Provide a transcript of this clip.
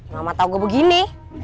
mama tau gue begini